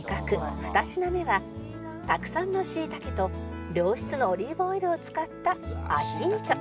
２品目はたくさんの椎茸と良質なオリーブオイルを使ったアヒージョ